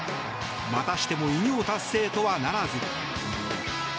またしても偉業達成とはならず。